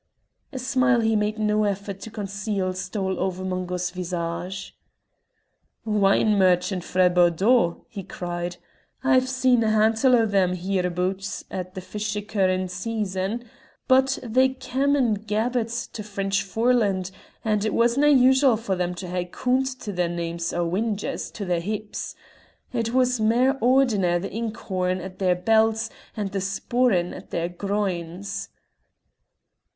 A smile he made no effort to conceal stole over Mungo's visage. "Wine merchant frae Bordeaux!" he cried. "I've seen a hantle o' them hereaboots at the fish curin' season, but they cam' in gabbarts to French Foreland, and it wasnae usual for them to hae Coont to their names nor whingers to their hips. It was mair ordinar the ink horn at their belts and the sporran at their groins."